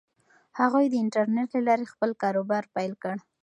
هغوی د انټرنیټ له لارې خپل کاروبار پیل کړ.